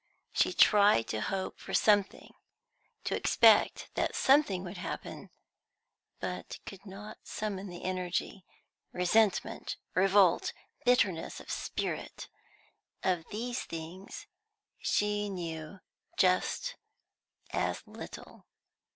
She tried to hope for something, to expect that something would happen, but could not summon the energy. Resentment, revolt, bitterness of spirit, of these things she knew just as little.